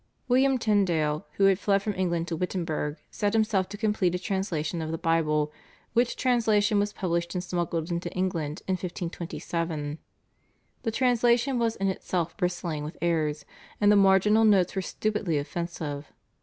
William Tyndale, who had fled from England to Wittenberg, set himself to complete a translation of the Bible, which translation was published and smuggled into England in 1526. The translation was in itself bristling with errors, and the marginal notes were stupidly offensive.